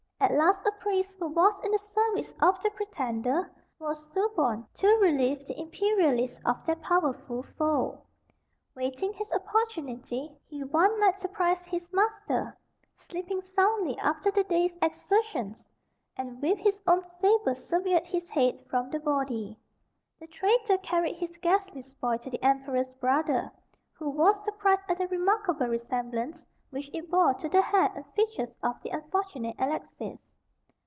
At last a priest, who was in the service of the pretender, was suborned to relieve the imperialists of their powerful foe. Waiting his opportunity, he one night surprised his master, sleeping soundly after the day's exertions, and with his own sabre severed his head from the body. The traitor carried his ghastly spoil to the Emperor's brother, who was surprised at the remarkable resemblance which it bore to the hair and features of the unfortunate Alexis.